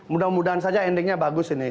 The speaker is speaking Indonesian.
mudah mudahan saja endingnya bagus ini